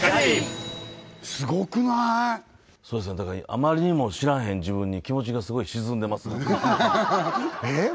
あまりにも知らへん自分に気持ちがスゴい沈んでますもんえっ